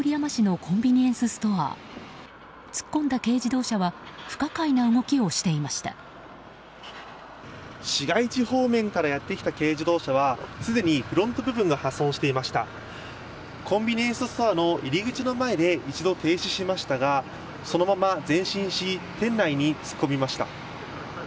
コンビニエンスストアの入り口の前で一度停止しましたがそのまま前進し店内に突っ込みました。